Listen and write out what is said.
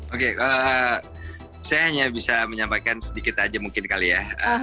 oke saya hanya bisa menyampaikan sedikit aja mungkin kali ya